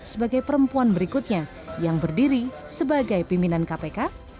sebagai perempuan berikutnya yang berdiri sebagai pimpinan kpk